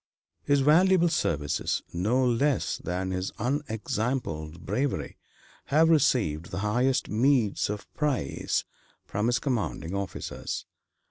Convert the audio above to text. His valuable services, no less than his unexampled bravery, have received the highest meeds of praise from his commanding officers.